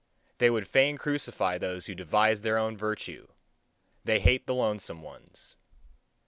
They would fain crucify those who devise their own virtue they hate the lonesome ones.